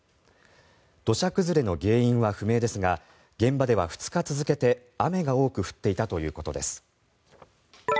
土砂崩れの原因は不明ですが現場では２日続けて、雨が多く降っていたということです。